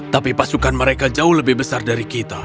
tapi pasukan mereka jauh lebih besar dari kita